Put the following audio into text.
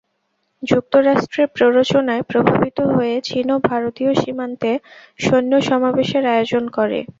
যুক্তরাষ্ট্রের প্ররোচনায় প্রভাবিত হয়ে চীনও ভারতীয় সীমান্তে সৈন্য সমাবেশের আয়োজন করে।